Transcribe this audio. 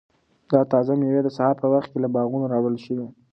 دا تازه مېوې د سهار په وخت کې له باغونو راوړل شوي.